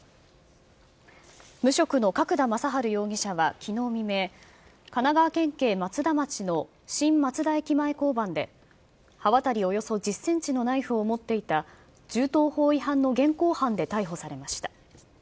無職の角田正治容疑者はきのう未明、神奈川県警松田町の新松田駅前交番で、刃渡りおよそ１０センチのナイフを持っていた、銃刀法違反の現行犯で逮捕されました。